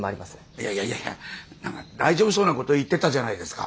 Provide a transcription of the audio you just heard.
いやいやいやいや大丈夫そうな事言ってたじゃないですか。